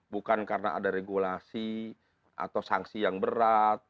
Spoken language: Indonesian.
bukan karena ada regulasi atau sanksi yang berat